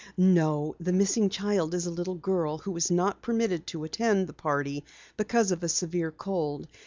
"No, the missing child is a little girl who was not permitted to attend the party because of a severe cold.